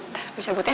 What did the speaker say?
ntar gue cabut ya